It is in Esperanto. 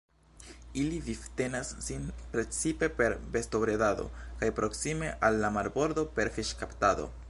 Ili vivtenas sin precipe per bestobredado kaj proksime al la marbordo per fiŝkaptado.